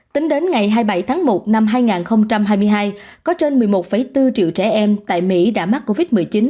tính đến ngày hai mươi bảy tháng một năm hai nghìn hai mươi hai có trên một mươi một bốn triệu trẻ em tại mỹ đã mắc covid một mươi chín